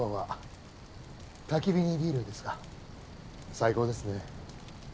最高ですね。